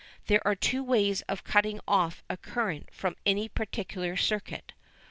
There are two ways of cutting off a current from any particular circuit.